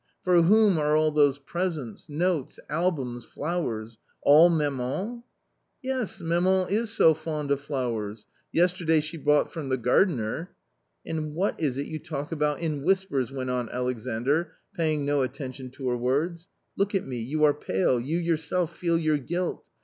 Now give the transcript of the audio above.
For whom are all those presents, notes, albums, flowers. All maman? " "Yes, maman is so fond of flowers. Yesterday she bought from the gardener "" And what is it you talk about in whispers ?" went on Alexandr, paying no attention to her words ; look at me, you" are pale, you yourself feel your guilt.